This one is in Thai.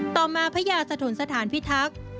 ต่อมาพญาสถนสถานพิทักษ์